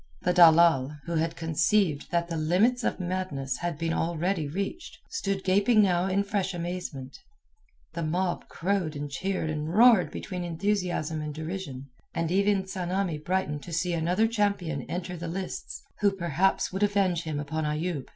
The dalal, who had conceived that the limits of madness had been already reached, stood gaping now in fresh amazement. The mob crowed and cheered and roared between enthusiasm and derision, and even Tsamanni brightened to see another champion enter the lists who perhaps would avenge him upon Ayoub.